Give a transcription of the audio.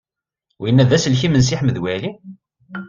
Winna d aselkim n Si Ḥmed Waɛli?